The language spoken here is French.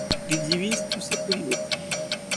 Il divise tous ces polynômes.